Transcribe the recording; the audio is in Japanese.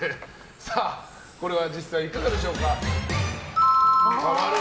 これは実際いかがでしょうか、○。